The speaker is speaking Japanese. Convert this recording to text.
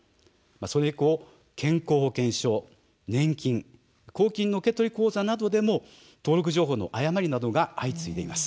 それ以降、健康保険証、年金公金の受け取り口座などでも登録情報の誤りなどが相次いでいます。